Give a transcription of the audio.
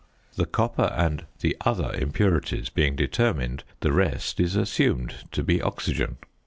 The copper and the other impurities being determined, the rest is assumed to be oxygen.